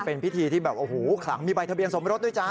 เป็นพิธีที่แบบโอ้โหขลังมีใบทะเบียนสมรสด้วยจ๊